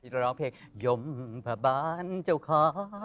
ร้องเพลงยมพระบาลเจ้าขอ